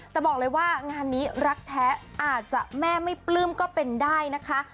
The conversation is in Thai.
แต่บอกเลยว่างานนี้รักแท้อาจจะแม่ไม่ปลื้มก็เป็นได้นะคะ